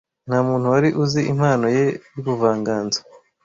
Ntamuntu wari uzi impano ye yubuvanganzo.